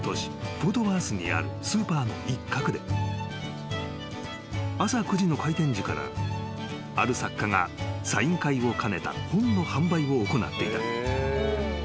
フォートワースにあるスーパーの一角で朝９時の開店時からある作家がサイン会を兼ねた本の販売を行っていた］